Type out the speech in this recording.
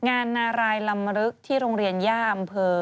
นารายลำลึกที่โรงเรียนย่าอำเภอ